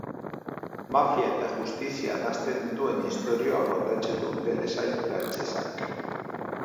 Mafia eta justizia nahasten dituen istorioa kontatzen du telesail frantsesak.